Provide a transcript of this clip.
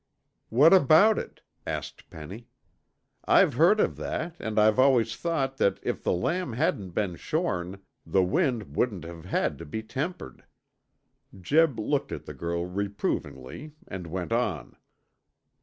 "What about it?" asked Penny. "I've heard of that, and I've always thought that if the lamb hadn't been shorn, the wind wouldn't have had to be tempered." Jeb looked at the girl reprovingly and went on.